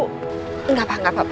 tak terserah sudah ada yang pesan bu